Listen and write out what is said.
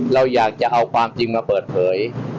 เราอยากจะเอาความจริงมาเปิดเผย